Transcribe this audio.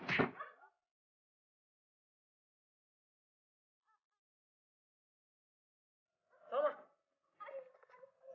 aduh aduh aduh